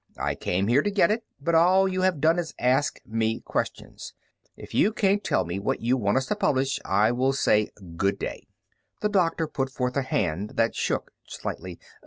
I came here to get it, but all you have done is ask me questions. If you can't tell me what you want us to publish, I will say good day." The doctor put forth a hand that shook slightly.